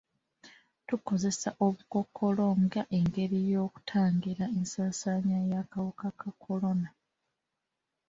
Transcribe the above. Tukozesa obukookolo nga engeri y'okutangira ensaasaanya y'akawuka ka kolona.